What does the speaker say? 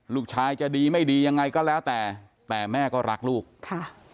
ลูกชายจะดีไม่ดียังไงก็แล้วแต่แต่แม่ก็รักลูกค่ะ